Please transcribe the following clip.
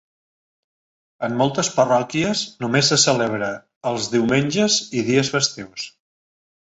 En moltes parròquies només se celebra els diumenges i dies festius.